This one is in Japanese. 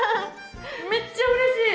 めっちゃうれしい。